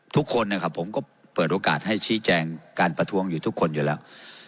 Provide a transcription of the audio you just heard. ทุกคนนะครับผมก็เปิดโอกาสให้ชี้แจงการประท้วงอยู่ทุกคนอยู่แล้ว